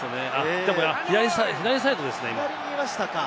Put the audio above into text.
でも左サイドですね、今。